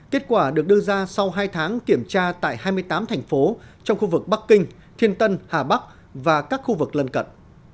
kết quả được đưa ra sau hai tháng kiểm tra tại hai mươi tám thành phố trong khu vực bắc kinh thiên tân hà bắc và các khu vực lân cận